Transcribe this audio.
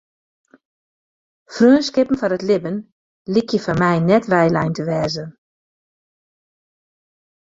Freonskippen foar it libben lykje foar my net weilein te wêze.